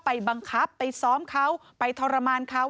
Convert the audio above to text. ไปบังคับไปซ้อมเขาไปทรมานเขา